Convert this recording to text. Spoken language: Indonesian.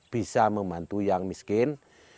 bisa membantu yang miskin